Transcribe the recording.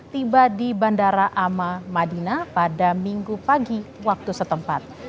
tiba di bandara ama madinah pada minggu pagi waktu setempat